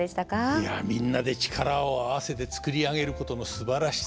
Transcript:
いやみんなで力を合わせて作り上げることのすばらしさ。